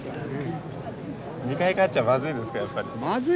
２回勝っちゃまずいですかやっぱり。